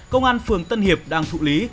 công an phường tân hiệp đang thụ lý